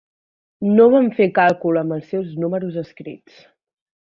No van fer càlcul amb els seus números escrits.